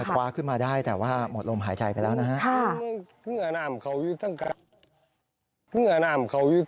คว้าขึ้นมาได้แต่ว่าหมดลมหายใจไปแล้วนะฮะ